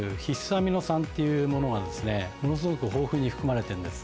アミノ酸っていうものがものすごく豊富に含まれてるんです。